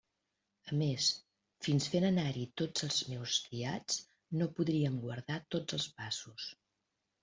A més, fins fent anar-hi tots els meus criats, no podríem guardar tots els passos.